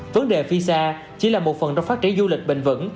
vấn đề visa chỉ là một phần trong phát triển du lịch bình vẩn